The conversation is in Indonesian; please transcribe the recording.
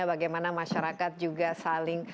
bagaimana masyarakat juga saling